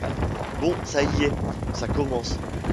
Bon... Ça y est, ça commence.